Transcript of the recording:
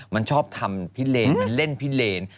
มันชอบทำพิเลนมันเล่นพิเลน